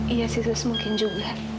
iya sustar mungkin juga